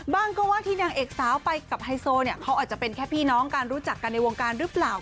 บ้างก็ว่าที่นางเอกสาวไปกับไฮโซเนี่ยเขาอาจจะเป็นแค่พี่น้องการรู้จักกันในวงการหรือเปล่า